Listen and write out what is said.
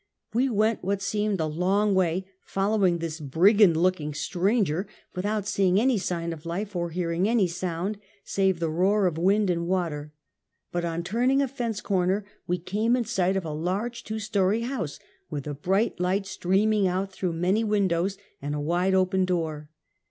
We went what seemed a long way, following this brigand looking stranger, without seeing any sign of life or hearing any sound save the roar of wind and water, but on turning a fence corner, we came in sight of a large two story house, with a bright light streaming out through many windows, and a wide open door.